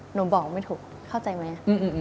หนูบอกไม่ถูกเข้าใจไหม